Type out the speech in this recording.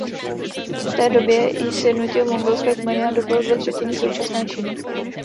V té době již sjednotil mongolské kmeny a dobyl dvě třetiny současné Číny.